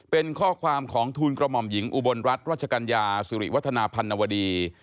เป็นข้อความของทูลกระหม่อมหญิงอุบลรัฐรัชกัญญาสุริวัฒนาพันนวดี